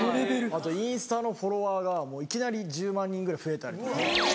あとインスタのフォロワーがいきなり１０万人ぐらい増えたりとか。